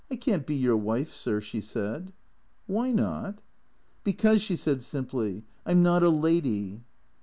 1 can't be your wife, sir," she said. "Why not?" " Because," she said simply, " I 'm not a lady."